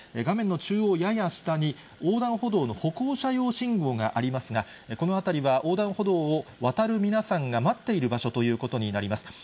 画面の中央やや下に、横断歩道の歩行者用信号がありますが、この辺りは横断歩道を渡る皆さんが待っている場所ということになります。